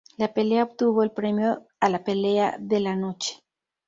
La pelea obtuvo el premio a la "Pelea de la Noche".